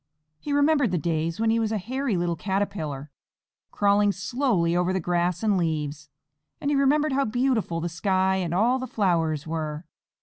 He remembered the days when he was a hairy little Caterpillar, crawling slowly over grass and leaves, and he remembered how beautiful the sky and all the flowers were.